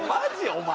お前。